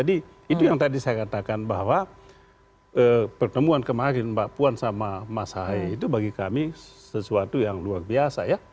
itu yang tadi saya katakan bahwa pertemuan kemarin mbak puan sama mas haye itu bagi kami sesuatu yang luar biasa ya